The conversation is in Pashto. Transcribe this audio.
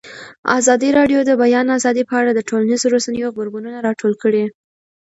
ازادي راډیو د د بیان آزادي په اړه د ټولنیزو رسنیو غبرګونونه راټول کړي.